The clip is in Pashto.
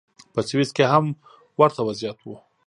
په سویس کې هم ورته وضعیت و.